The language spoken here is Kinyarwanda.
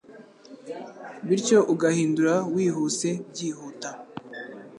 bityo ugahindura wihuse byihuta